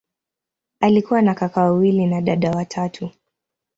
Alikuwa na kaka wawili na dada watatu.